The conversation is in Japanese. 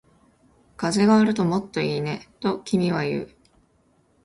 風があるともっといいね、と君は言う